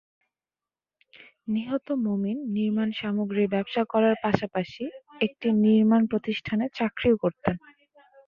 নিহত মোমিন নির্মাণসামগ্রীর ব্যবসা করার পাশাপাশি একটি নির্মাণ প্রতিষ্ঠানে চাকরিও করতেন।